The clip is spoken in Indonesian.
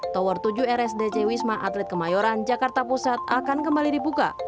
tower tujuh rsdc wisma atlet kemayoran jakarta pusat akan kembali dibuka